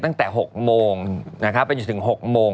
ตั้งแต่๖โมงเป็นอยู่ถึง๖โมง